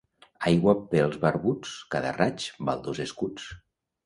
Aigua pels Barbuts, cada raig val dos escuts.